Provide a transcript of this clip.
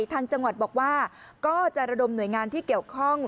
ทางจังหวัดบอกว่าก็จะระดมหน่วยงานที่เกี่ยวข้อง